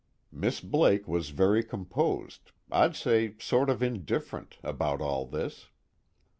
Miss Blake was very composed, I'd say sort of indifferent, about all this.